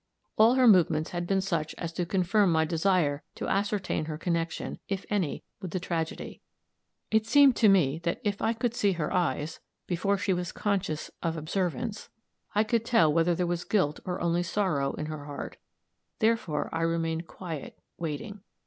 All her movements had been such as to confirm my desire to ascertain her connection, if any, with the tragedy. It seemed to me that if I could see her eyes, before she was conscious of observance, I could tell whether there was guilt, or only sorrow, in her heart; therefore I remained quiet, waiting.